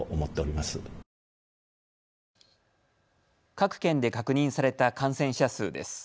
各県で確認された感染者数です。